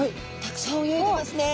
たくさん泳いでますね。